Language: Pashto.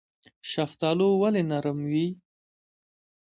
شفتالو ولې نرم وي؟